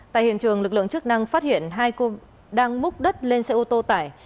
tại hiện trường lực lượng chức năng phát hiện hai cô đang múc đất lên xe ô tô tải